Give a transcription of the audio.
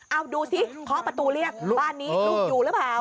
เอาดูสิเคาะประตูเรียกบ้านนี้ลูกอยู่หรือเปล่า